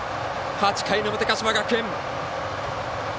８回の表、鹿島学園。